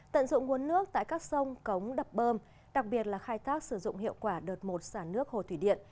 tận dụng nguồn nước tại các sông cống đập bơm đặc biệt là khai thác sử dụng hiệu quả đợt một xả nước hồ thủy điện